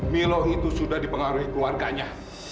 milo itu sudah dipengaruhi keluarganya